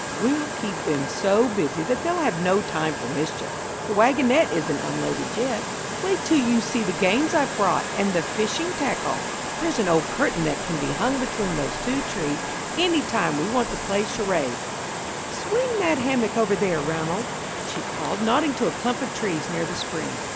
"We'll keep them so busy that they'll have no time for mischief. The wagonette isn't unloaded yet. Wait till you see the games I've brought, and the fishing tackle. There's an old curtain that can be hung between those two trees any time we want to play charades." "Swing that hammock over there, Ranald," she called, nodding to a clump of trees near the spring.